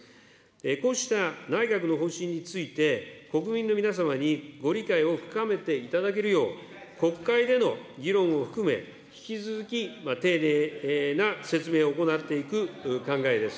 こうした内閣の方針について、国民の皆様にご理解を深めていただけるよう、国会での議論を含め、引き続き丁寧な説明を行っていく考えです。